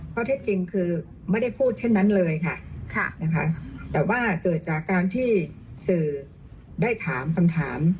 ข้อเท็จจริงคือไม่ได้พูดเช่นนั้นเลยค่ะนะคะแต่ว่าเกิดจากการที่สื่อได้ถามคำถาม